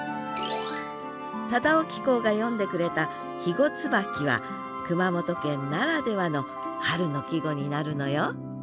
忠興公が詠んでくれた「肥後椿」は熊本県ならではの春の季語になるのよ